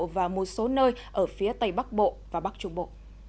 và một số nơi ở phía tây bắc bộ và bắc trung bộ